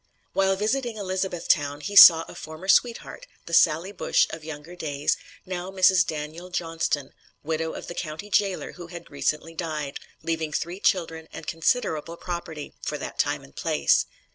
While visiting Elizabethtown he saw a former sweetheart, the Sally Bush of younger days, now Mrs. Daniel Johnston, widow of the county jailer who had recently died, leaving three children and considerable property, for that time and place.